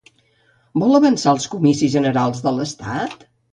Vol avançar els comicis generals de l'Estat?